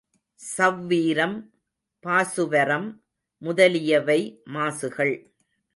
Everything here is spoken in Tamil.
சவ்வீரம், பாசுவரம் முதலியவை மாசுகள்.